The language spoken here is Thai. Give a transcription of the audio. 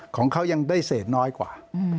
ของเขายังได้เศษน้อยกว่า